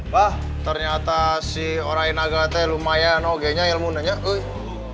wah ternyata si orang ini agaknya lumayan